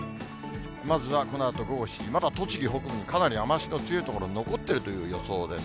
まずはこのあと午後７時、まだ栃木北部にかなり雨足の強い所、残っているという予想です。